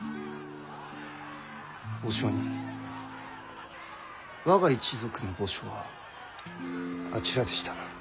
お上人我が一族の墓所はあちらでしたな。